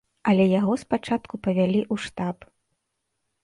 Але яго спачатку павялі ў штаб.